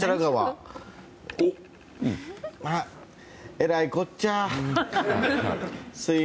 えらいこっちゃ。